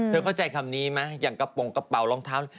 เข้าใจคำนี้ไหมอย่างกระโปรงกระเป๋ารองเท้า